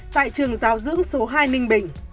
tại trường giáo dưỡng số hai ninh bình